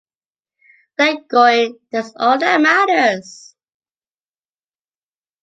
They’re going, that’s all that matters!